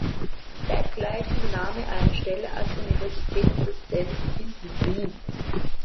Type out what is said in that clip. Zeitgleich übernahm er eine Stelle als Universitätsdozent in Wien.